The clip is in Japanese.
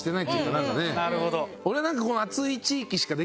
なるほど。